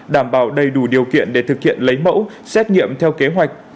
đảm bảo đầy đủ điều kiện để thực hiện lấy mẫu xét nghiệm theo kế hoạch